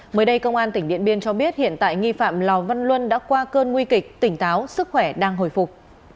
mới đây công an tỉnh điện biên cho biết hiện tại nghi phạm lò văn luân đã qua cơn nguy kịch tỉnh táo sức khỏe đang hồi phục